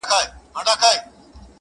چي مي پېغلوټي د کابل ستایلې؛